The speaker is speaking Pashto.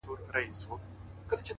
هوښیار انسان د احساساتو لار سموي؛